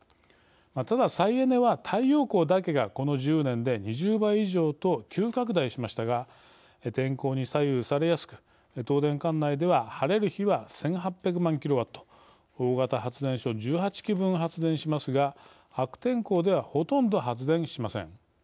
ただ、再エネは太陽光だけがこの１０年で２０倍以上と急拡大しましたが天候に左右されやすく東電管内では晴れる日は１８００万ｋｗ大型発電所１８基分発電しますが悪天候ではほとんど発電しません。